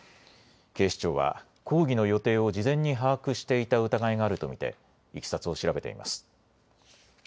警視庁は講義の予定を事前に把握していた疑いがあると見ていきさつを調べています。